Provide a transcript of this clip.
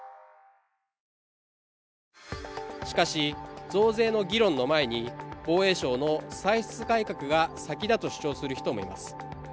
しかし、増税の議論の前に防衛省の歳出改革が先だと主張する人もいます。